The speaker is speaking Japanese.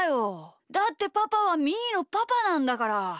だってパパはみーのパパなんだから！